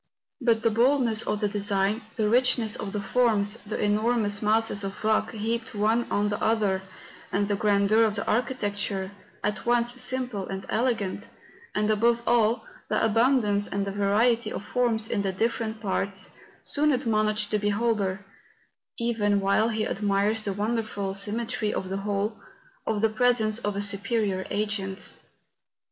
But the bold¬ ness of the design, the richness of the forms, the enormous masses of rock heaped one on the other, the grandeur of the architecture, at once simple and elegant, and, above all, the abundance and the variety of forms in the different parts, soon ad¬ monish the beholder—even while he admires the wonderful symmetry of the whole,— of the presence of a superior Agent.